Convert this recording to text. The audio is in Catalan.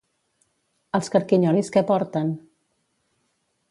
Els carquinyolis què porten?